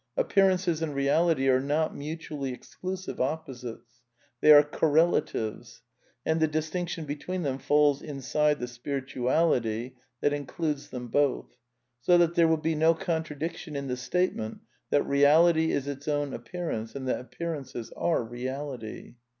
Appearances and reality are not mutually exclusive opposites. They are correlatives; and the distinction between them falls Vinside the " spirituality " that includes them both ; so that. ^ there will be no contradiction in the statement that Beality is its own appearance, and that appearances are reality.